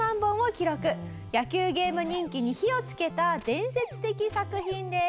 野球ゲーム人気に火を付けた伝説的作品です。